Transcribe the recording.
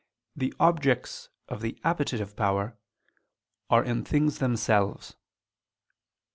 the objects of the appetitive power, "are in things themselves."